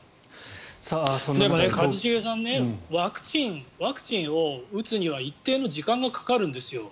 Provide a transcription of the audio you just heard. でも一茂さんワクチンを打つには一定の時間がかかるんですよ。